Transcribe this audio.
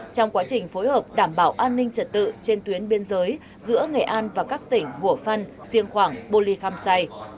trong quá trình phối hợp đảm bảo an ninh trật tự trên tuyến biên giới giữa nghệ an và các tỉnh hủa phăn siêng khoảng bô ly khăm say